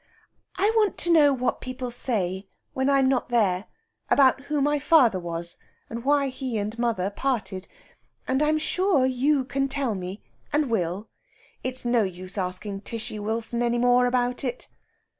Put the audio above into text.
"I want to know what people say, when I'm not there, about who my father was, and why he and mother parted. And I'm sure you can tell me, and will. It's no use asking Tishy Wilson any more about it."